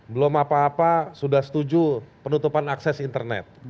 belum apa apa sudah setuju penutupan akses internet